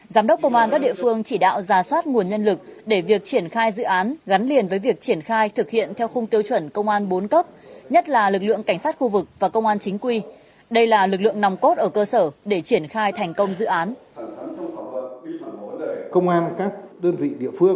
giám đốc công an các địa phương chỉ đạo giả soát nguồn nhân lực để việc triển khai dự án gắn liền với việc triển khai thực hiện theo khung tiêu chuẩn công an bốn cấp nhất là lực lượng cảnh sát khu vực và công an chính quy đây là lực lượng nòng cốt ở cơ sở để triển khai thành công dự án